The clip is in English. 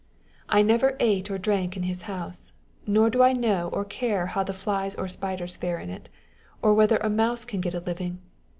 1 never ate or drank in his house ; nor do I know or care how the flies or spiders fare in it, or whether a mouse can get a living.